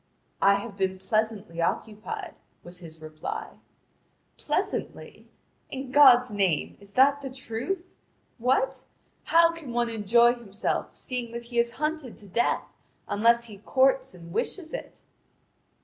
"I have been pleasantly occupied," was his reply. "Pleasantly? In God's name, is that the truth? What? How can one enjoy himself seeing that he is hunted to death, unless he courts and wishes it?"